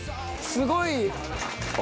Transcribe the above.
すごい！